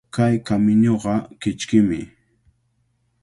Kay kamiñuqa kichkimi.